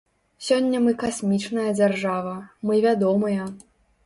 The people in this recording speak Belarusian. Сёння мы касмічная дзяржава, мы вядомыя.